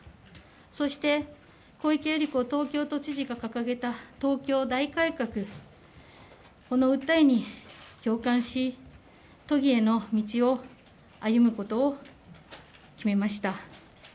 そして、小池百合子東京都知事が掲げた東京大改革、この訴えに共感し、都議への道を歩むことを決めました。